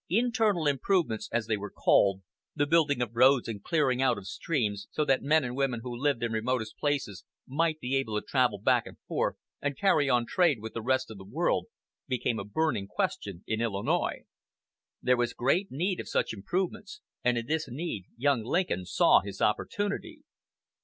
"Internal improvements," as they were called the building of roads and clearing out of streams so that men and women who lived in remote places might be able to travel back and forth and carry on trade with the rest of the world became a burning question in Illinois. There was great need of such improvements; and in this need young Lincoln saw his opportunity.